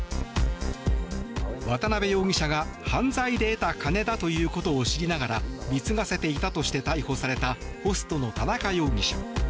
渡邊容疑者が、犯罪で得た金だということを知りながら貢がせていたとして逮捕されたホストの田中容疑者。